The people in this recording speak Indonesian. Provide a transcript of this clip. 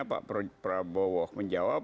pak prabowo menjawab